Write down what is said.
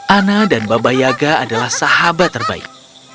ana dan baba yaga adalah sahabat terbaik